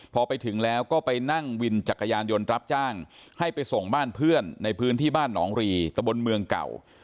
พอไปถึงแล้วก็ไปนั่งวินจักรยานยนต์รับจ้างให้ไปส่งบ้านเพื่อนในพื้นที่บ้านหนองรีตะบนเมืองเก่า